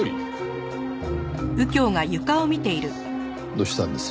どうしたんです？